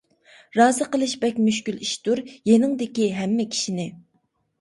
رازى قىلىش بەك مۈشكۈل ئىشتۇر، يېنىڭدىكى ھەممە كىشىنى.